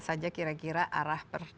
saja kira kira arah